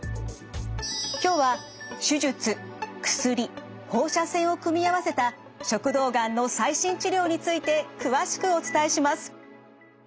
今日は手術薬放射線を組み合わせた食道がんの最新治療について詳しくお伝えします。